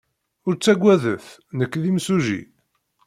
Ur ttaggadet. Nekk d imsujji.